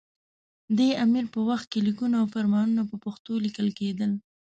دې امیر په وخت کې لیکونه او فرمانونه په پښتو لیکل کېدل.